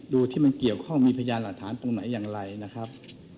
ดูที่มันเกี่ยวข้องมีพยานหลักฐานตรงไหนอย่างไรนะครับ